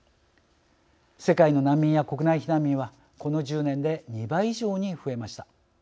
世界の難民や国内避難民はこの１０年で２倍以上に増えました。